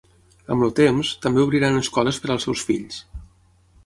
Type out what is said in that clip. Amb el temps, també obriran escoles per als seus fills.